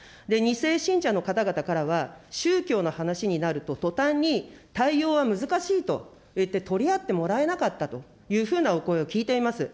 ２世信者の方々からは、宗教の話になると、とたんに対応は難しいといって取り合ってもらえなかったというふうなお声を聞いています。